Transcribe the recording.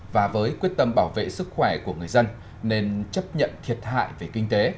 và với quyết tâm bảo vệ sức khỏe của người dân nên chấp nhận thiệt hại về kinh tế